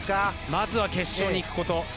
まずは決勝に行くこと。